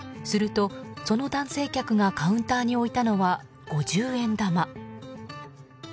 すると、その男性客がカウンターに置いたのは五十円玉。